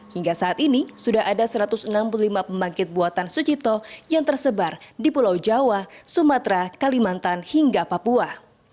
hingga saat ini sudah ada satu ratus enam puluh lima pembangkit buatan sucipto yang tersebar di pulau jawa sumatera kalimantan hingga papua